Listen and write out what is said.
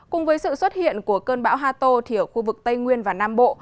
cùng với sự xuất hiện của cơn bão hà tô thì ở khu vực tây nguyên và nam bộ